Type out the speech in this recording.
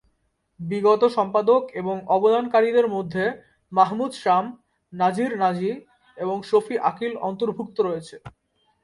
বিগত সম্পাদক এবং অবদানকারীদের মধ্যে মাহমুদ শাম, নাজির নাজি এবং শফি আকিল অন্তর্ভুক্ত রয়েছে।